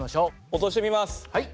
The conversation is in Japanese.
落としてみます。